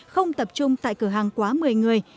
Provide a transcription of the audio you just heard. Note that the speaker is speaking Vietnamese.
không tập trung tại cửa hàng quá một mươi người